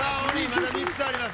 まだ３つあります